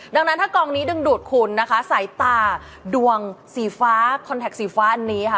ดังนั้นถ้ากองนี้ดึงดูดคุณนะคะสายตาดวงสีฟ้าคอนแท็กสีฟ้าอันนี้ค่ะ